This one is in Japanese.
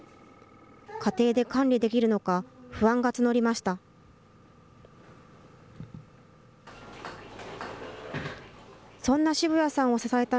家庭で管理できるのか、不安が募りました。